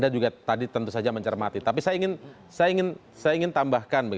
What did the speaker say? jadi royulami ini ke